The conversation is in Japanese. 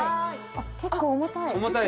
・結構重たい。